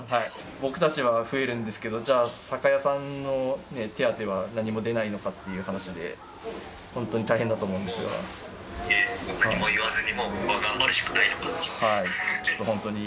僕たちは増えるんですけど、じゃあ、酒屋さんの手当は何も出ないのかっていう話で、本当に大変だと思何も言わずに、ここは頑張るしかないのかなと。